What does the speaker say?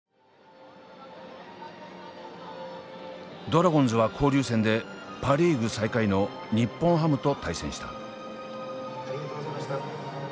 ドラゴンズは交流戦でパ・リーグ最下位の日本ハムと対戦した。